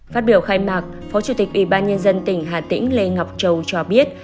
phát biểu khai mạc phó chủ tịch ủy ban nhân dân tỉnh hà tĩnh lê ngọc châu cho biết